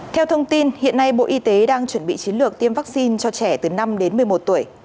theo thông tin hiện nay bộ y tế đang chuẩn bị chiến lược tiêm vaccine cho trẻ từ năm đến một mươi một tuổi